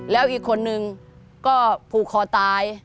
แล้วอีกคนนึงก็ผูกคอตาย